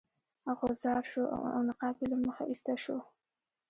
غوځار شو او نقاب یې له مخه ایسته شو.